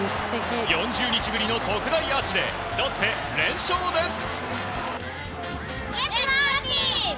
４０日ぶりの特大アーチでロッテ、連勝です。